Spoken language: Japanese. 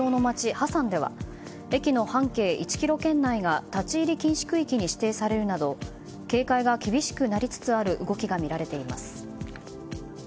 ハサンでは駅の半径１ｋｍ圏内が立ち入り禁止区域に指定されるなど警戒が厳しくなりつつある動きがみられています。